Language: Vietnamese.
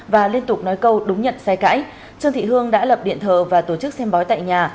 và liên tục nói câu đúng nhận sai cãi trương thị hương đã lập điện thờ và tổ chức xem bói tại nhà